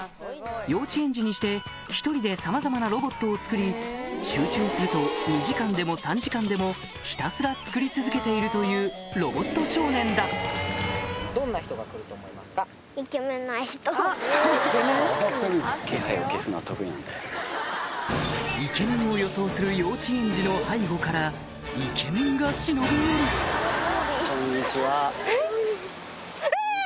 幼稚園児にして一人でさまざまなロボットを作り集中すると２時間でも３時間でもひたすら作り続けているというロボット少年だイケメンを予想する幼稚園児の背後からイケメンが忍び寄るえっ？